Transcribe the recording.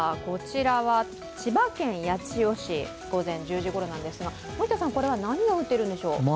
こちらは千葉県八千代市、午前１０時ごろなんですが、森田さん、これは何が降っているんでしょう。